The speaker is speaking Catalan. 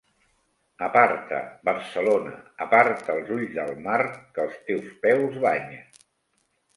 Aparta, Barcelona; aparta els ulls del mar que els teus peus banya.